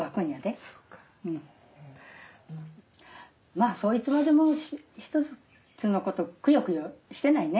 まあそういつまでも１つのことくよくよしてないね。